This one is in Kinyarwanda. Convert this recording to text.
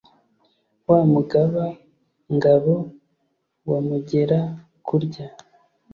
Wa Mugaba-ngabo wa Mugera-kurya